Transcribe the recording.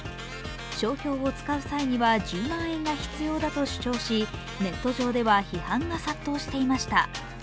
商標を使う際には、１０万円が必要だと主張し、ネット上では批判が殺到していました。